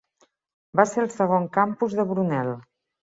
Va ser el segon campus de Brunel.